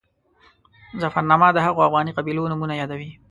ظفرنامه د هغو افغاني قبیلو نومونه یادوي.